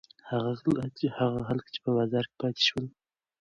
هغه خلک چې په بازار کې پاتې شول.